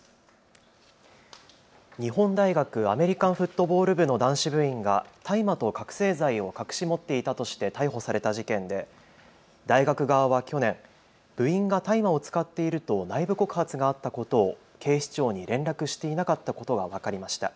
日本大学アメリカンフットボール部の男子部員が大麻と覚醒剤を隠し持っていたとして逮捕された事件で大学側は去年、部員が大麻を使っていると内部告発があったことを警視庁に連絡していなかったことが分かりました。